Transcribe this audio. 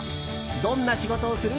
どんな仕事をする？